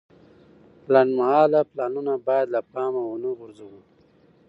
لنډمهاله پلانونه باید له پامه ونه غورځوو.